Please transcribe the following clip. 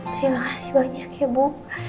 terima kasih banyak ya bu